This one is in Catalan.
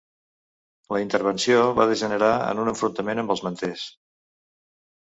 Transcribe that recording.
La intervenció va degenerar en un enfrontament amb els manters.